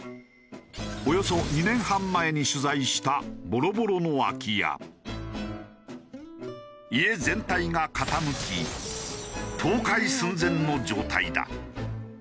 およそ２年半前に取材した家全体が傾き倒壊寸前の状態だ。